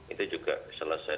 itu juga selesai